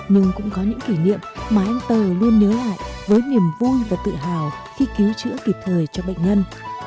nhưng cũng có những kỷ niệm mà anh tờ luôn nhớ lại với niềm vui và tự hào khi cứu chữa kịp thời cho bệnh nhân